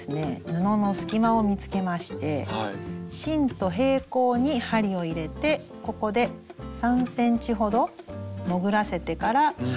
布の隙間を見つけまして芯と平行に針を入れてここで３ｃｍほど潜らせてから針を引き抜きます。